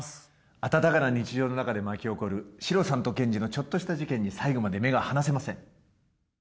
温かな日常のなかで巻き起こるシロさんとケンジのちょっとした事件に最後まで目が離せません。